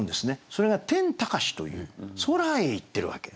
それが「天高し」という空へいってるわけ。